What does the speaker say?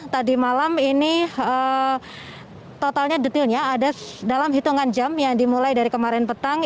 tadi malam ini totalnya detailnya ada dalam hitungan jam yang dimulai dari kemarin petang